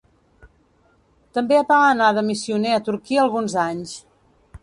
També va anar de missioner a Turquia alguns anys.